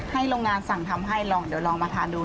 โรงงานสั่งทำให้ลองเดี๋ยวลองมาทานดู